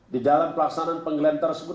di dalam pelaksanaan penggeledahan tersebut